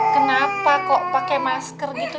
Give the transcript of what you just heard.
kenapa kok pakai masker gitu